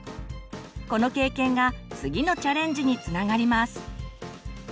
この経験が次のチャレンジにつながります。